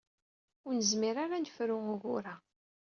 Ur nezmir ara ad nefru ugur-a.